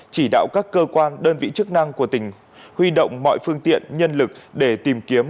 chỉ đạo các cơ quan đơn vị chức năng của tỉnh huy động mọi phương tiện nhân lực để tìm kiếm